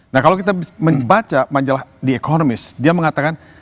nah kalau kita membaca majalah the economist dia mengatakan